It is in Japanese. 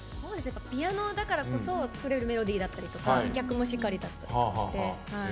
ピアノだからこそ作れるメロディーだったりとか逆もしかりだったりとかして。